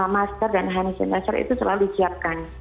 masker dan hand sanitizer itu selalu disiapkan